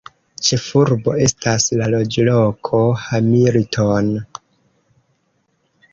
Ĉefurbo estas la loĝloko Hamilton.